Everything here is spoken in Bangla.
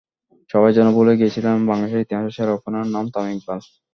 সবাই যেন ভুলেই গিয়েছিলেন বাংলাদেশের ইতিহাসের সেরা ওপেনারের নাম তামিম ইকবাল।